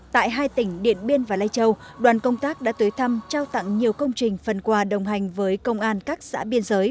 tại hai tỉnh điện biên và lây châu đoàn công tác đã tới thăm trao tặng nhiều công trình phần quà đồng hành với công an các xã biên giới